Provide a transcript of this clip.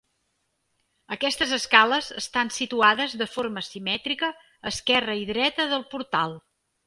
Aquestes escales estan situades de forma simètrica a esquerra i dreta del portal.